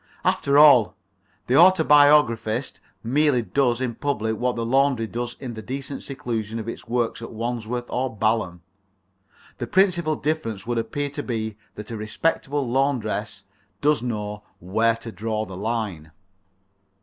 After all, the autobiographist merely does in public what the laundry does in the decent seclusion of its works at Wandsworth or Balham. The principal difference would appear to be that a respectable laundress does know where to draw the line.